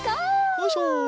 よいしょ！